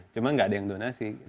cuma nggak ada yang donasi